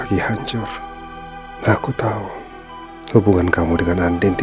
dia benar benar makin gue